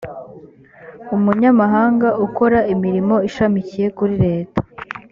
umunyamahanga ukora imirimo ishamikiye kuri leta